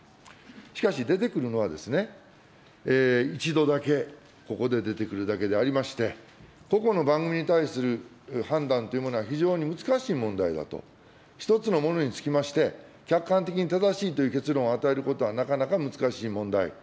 しかし、出てくるのは一度だけ、ここで出てくるだけでありまして、個々の番組に対する判断というものは非常に難しい問題だと、一つのものにつきまして、客観的に正しいという結論を与えることはなかなか難しい問題。